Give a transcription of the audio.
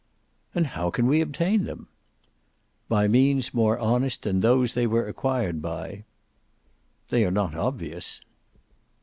"And how can we obtain them?" "By means more honest than those they were acquired by." "They are not obvious."